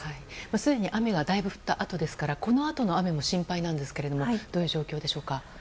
すでに雨がだいぶ降ったあとですからこのあとの雨も心配なんですけどどういう状況でしょうか。